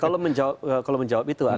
kalau menjawab itu